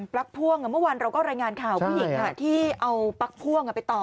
ลั๊กพ่วงเมื่อวานเราก็รายงานข่าวผู้หญิงที่เอาปลั๊กพ่วงไปต่อ